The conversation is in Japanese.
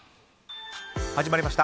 始まりました